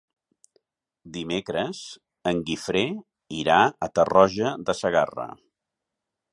Dimecres en Guifré irà a Tarroja de Segarra.